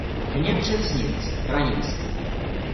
Mně přec nic, pranic!...